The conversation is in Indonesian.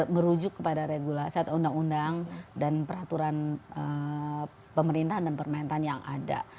merujuk kepada regulasi atau undang undang dan peraturan pemerintahan dan permentan yang ada